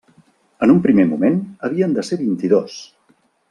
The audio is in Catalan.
En un primer moment havien de ser vint-i-dos.